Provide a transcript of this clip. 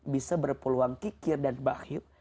bisa berpeluang kikir dan bahyuk